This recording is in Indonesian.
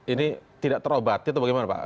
ini tidak terobati atau bagaimana pak